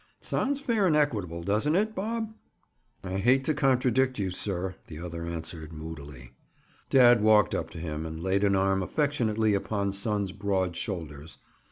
Sounds fair and equitable, doesn't it, Bob?" "I'd hate to contradict you, sir," the other answered moodily. Dad walked up to him and laid an arm affectionately upon son's broad shoulders.